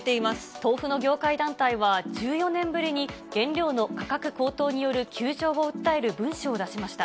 豆腐の業界団体は、１４年ぶりに原料の価格高騰による窮状を訴える文書を出しました。